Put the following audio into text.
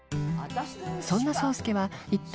そんな爽介は一体